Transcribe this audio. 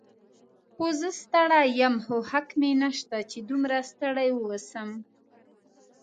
هو، زه ستړی یم، خو حق مې نشته چې دومره ستړی واوسم.